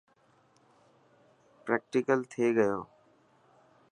پريڪٽيڪل ٿئي گيو.